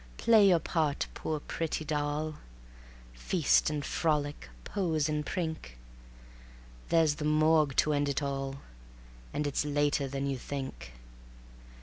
Play your part, poor pretty doll; Feast and frolic, pose and prink; There's the Morgue to end it all, And it's later than you think.